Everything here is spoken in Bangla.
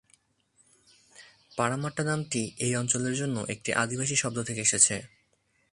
পারামাট্টা নামটি এ অঞ্চলের জন্য একটি আদিবাসী শব্দ থেকে এসেছে।